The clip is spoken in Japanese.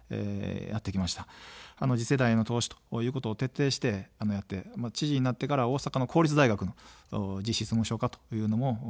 次世代への投資ということを徹底してやって、知事になってから大阪の公立大学も実質無償化というのもやりました。